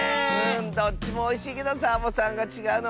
どっちもおいしいけどサボさんがちがうのわかっちゃった。